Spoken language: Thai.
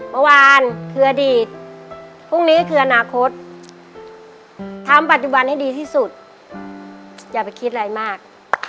เมื่อวานคืออดีตพรุ่งนี้คืออนาคตทำปัจจุบันให้ดีที่สุดอย่าไปคิดอะไรมาก